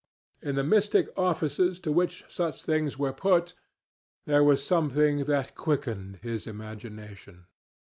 In the mystic offices to which such things were put, there was something that quickened his imagination.